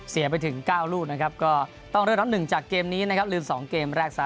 ไปถึง๙ลูกนะครับก็ต้องเริ่มนับ๑จากเกมนี้นะครับลืม๒เกมแรกซะ